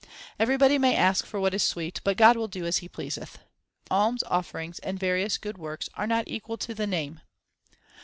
Everybody may ask for what is sweet, but God will do as He pleaseth. Alms offerings and various good works are not equal to the Name.